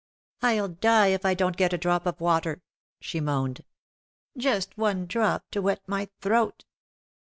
"I'll die if I don't get a drop of water," she moaned, "just one drop to wet my throat."